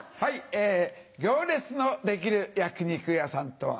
行列のできる焼き肉屋さんとは。